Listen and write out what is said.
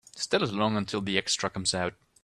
Stall it along until the extra comes out.